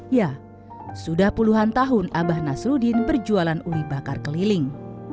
ya sudah puluhan tahun abah nasruddin berjualan uli bakar keliling